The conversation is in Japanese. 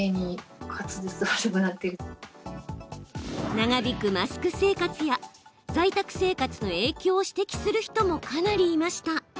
長引くマスク生活や在宅生活の影響を指摘する人もかなりいました。